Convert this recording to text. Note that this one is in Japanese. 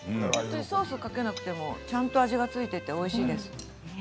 ソースがなくてもちゃんと味が付いていておいしいです。